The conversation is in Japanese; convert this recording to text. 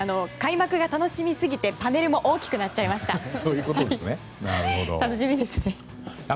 開幕が楽しみすぎて、パネルも大きくなっちゃいました。